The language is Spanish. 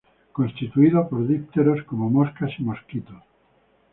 Constituido por dípteros como moscas y mosquitos.